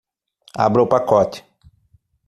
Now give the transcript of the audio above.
Abra o pacote